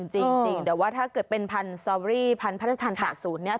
จริงแต่ว่าถ้าเกิดเป็นพันธุ์สตอรี่พันพระราชทาน๘๐เนี่ย